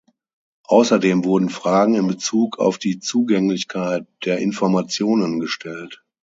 Außerdem wurden Fragen in Bezug auf die Zugänglichkeit der Informationen gestellt.